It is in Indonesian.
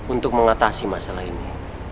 untuk mengatasi masalah ini